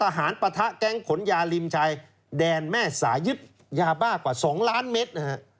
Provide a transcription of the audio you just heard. ทหารปะทะแก๊งขนยาริมชายแดนแม่สายยึดยาบ้ากว่า๒ล้านเมตรนะฮะ